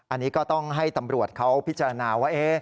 อันนี้ก็ต้องให้ตำรวจเขาพิจารณาว่า